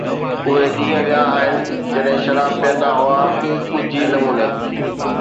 اهي ڏينهن ويا آهن جڏهن شراب پيئندا هئا ڳجهي نموني